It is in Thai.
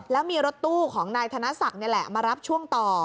แล้วมีรถตู้ของนายธนศักดิ์นี่แหละมารับช่วงต่อ